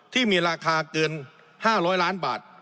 ที่มีราคาเกิน๕๐๐ล้านบาท